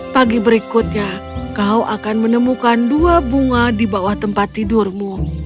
pagi berikutnya kau akan menemukan dua bunga di bawah tempat tidurmu